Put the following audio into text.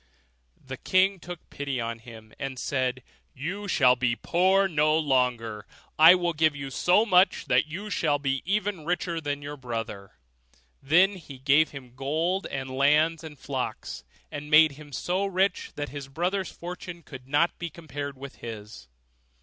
The king then took pity on him, and said, 'You shall be poor no longer. I will give you so much that you shall be even richer than your brother.' Then he gave him gold and lands and flocks, and made him so rich that his brother's fortune could not at all be compared with his.